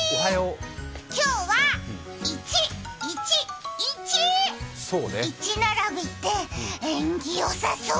今日は１１１、１並びって縁起よさそう。